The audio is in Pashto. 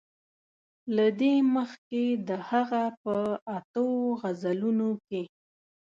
له دې مخکې د هغه په اتو غزلونو کې.